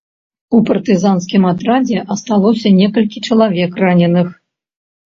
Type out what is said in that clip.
У партызанскім атрадзе асталося некалькі чалавек раненых.